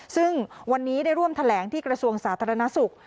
ซึ่งวันนี้ได้ร่วมแถลงที่กระทรวงสาธารณสุข